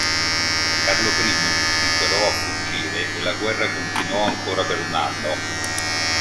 Carlo I riuscì però a fuggire e la guerra continuò ancora per un anno.